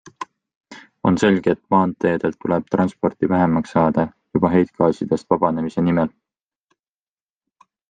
On selge, et maanteedelt tuleb transporti vähemaks saada juba heitgaasidest vabanemise nimel.